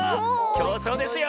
きょうそうですよ！